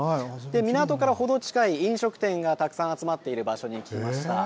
港から程近い飲食店がたくさん集まっている場所に来ました。